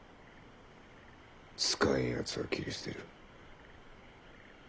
使えんやつは切り捨てる。